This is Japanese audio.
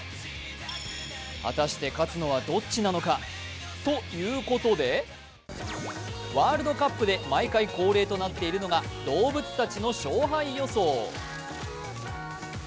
果たして勝つのはどっちなのか、ということでワールドカップで毎回恒例となっているのが動物たちの勝敗予想。